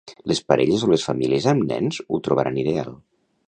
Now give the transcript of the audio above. Les parelles o les famílies amb nens ho trobaran ideal.